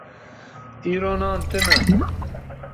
Îro nan tune.